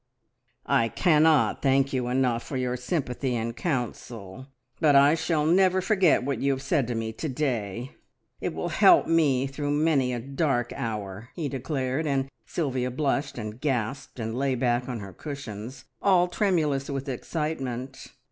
"I cannot thank you enough for your sympathy and counsel, but I shall never forget what you have said to me to day. It will help me through many a dark hour!" he declared, and Sylvia blushed and gasped, and lay back on her cushions, all tremulous with excitement.